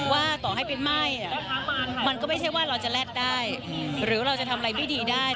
ว่าต่อให้เป็นไหม้มันก็ไม่ใช่ว่าเราจะแรดได้หรือเราจะทำอะไรไม่ดีได้